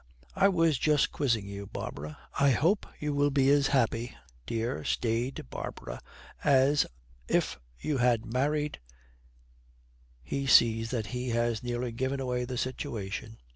I was just quizzing you, Barbara. I hope you will be as happy, dear, staid Barbara, as if you had married ' He sees that he has nearly given away the situation.